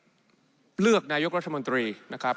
เพราะว่าเดือนกัญญาที่จะถึงนี้ก็จะมีการประชุมที่สหประชาชาที่นิวยอร์ก